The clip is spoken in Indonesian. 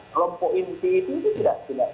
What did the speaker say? kelompok inti itu tidak